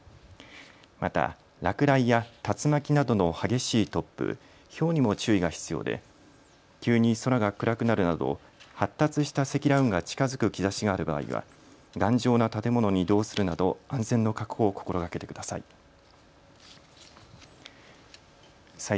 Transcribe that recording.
また、落雷や竜巻などの激しい突風、ひょうにも注意が必要で急に空が暗くなるなど発達した積乱雲が近づく兆しがある場合は頑丈な建物に移動するなど安全の確保を心がけてください。